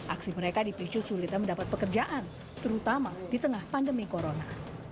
aksi mereka dipicu sulitnya mendapat pekerjaan terutama di tengah pandemi corona